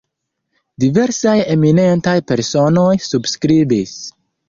Diversaj eminentaj personoj subskribis.